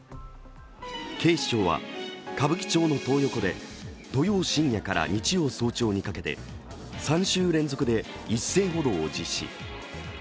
警視庁は歌舞伎町のトー横で土曜深夜から日曜早朝にかけて３週連続で一斉補導を実施。